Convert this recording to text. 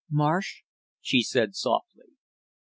"Marsh?" she said softly.